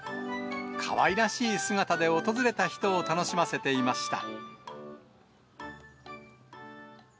かわいらしい姿で訪れた人を楽しませていました。